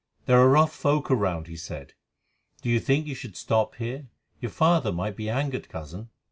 "There are rough folk around," he said; "do you think you should stop here? Your father might be angered, Cousin."